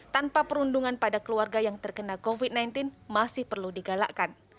tanpa perundungan pada keluarga yang terkena covid sembilan belas masih perlu digalakkan